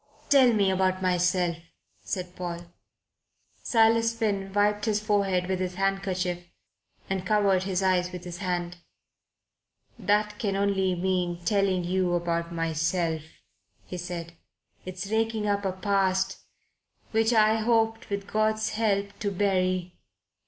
"Tell me about myself," said Paul. Silas Finn wiped his forehead with his handkerchief and covered his eyes with his hand. "That can only mean telling you about myself," he said. "It's raking up a past which I had hoped, with God's help, to bury.